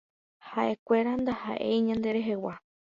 Haʼekuéra ndahaʼéi ñanderehegua.